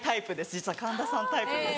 実は神田さんタイプです。